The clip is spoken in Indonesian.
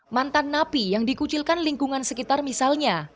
mantan napi yang dikucilkan lingkungan sekitar misalnya